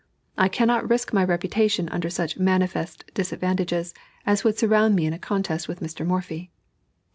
I cannot risk my reputation under such manifest disadvantages as would surround me in a contest with Mr. Morphy."